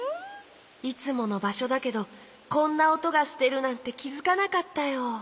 いつものばしょだけどこんなおとがしてるなんてきづかなかったよ。